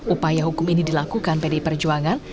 upaya hukum ini dilakukan pdi perjuangan